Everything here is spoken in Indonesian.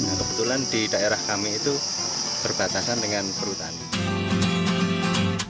nah kebetulan di daerah kami itu berbatasan dengan perhutani